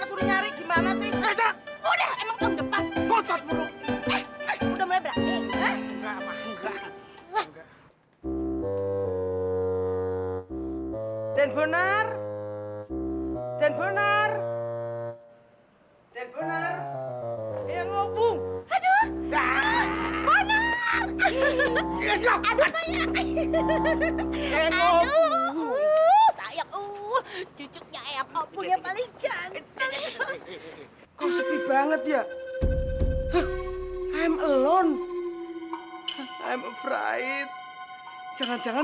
sudah sepi begini